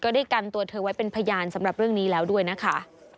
ได้กันตัวเธอไว้เป็นพยานสำหรับเรื่องนี้แล้วด้วยนะคะ